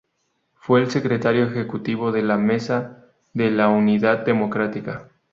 Fue el Secretario Ejecutivo de la Mesa de la Unidad Democrática.